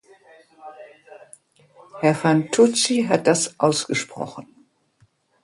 Herr Fantuzzi hat das ausgesprochen.